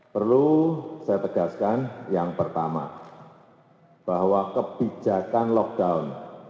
perlu saya tegaskan yang pertama bahwa kebijakan lockdown